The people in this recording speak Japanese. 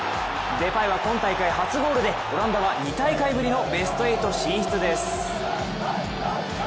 デパイは今大会初ゴールでオランダは２大会ぶりのベスト８進出です。